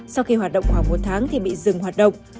sau khi hoạt động khoảng một tháng thì bị dừng hoạt động